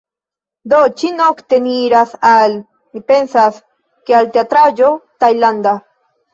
Do, ĉi-nokte ni iras al... mi pensas, ke al teatraĵo tajlanda